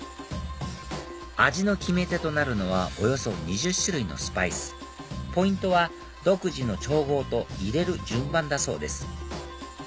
味の決め手となるのはおよそ２０種類のスパイスポイントは独自の調合と入れる順番だそうです